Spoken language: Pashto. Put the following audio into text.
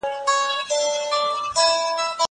زه پرون سينه سپين کړه!!